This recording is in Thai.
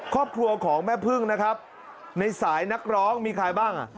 ครอบครัวของแม่พึ่งนะครับในสายนักร้องมีใครบ้าง